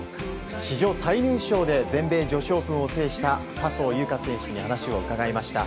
史上最年少で全米女子オープンを制した笹生優花選手に話を伺いました。